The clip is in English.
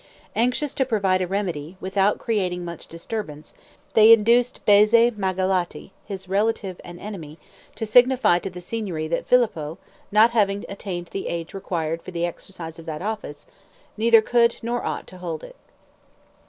Anxious to provide a remedy, without creating much disturbance, they induced Bese Magalotti, his relative and enemy, to signify to the Signory that Filippo, not having attained the age required for the exercise of that office, neither could nor ought to hold it.